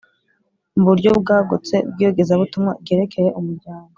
mu buryo bwagutse bw’iyogezabutumwa ryerekeye umuryango,